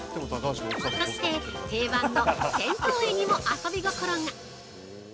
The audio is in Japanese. そして定番の銭湯絵にも遊び心が！